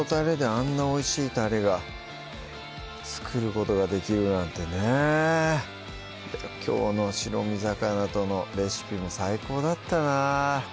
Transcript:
あんなおいしいたれが作ることができるなんてねきょうの白身魚とのレシピも最高だったな